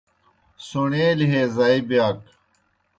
سوݨیلیْ ہے زائی بِیاک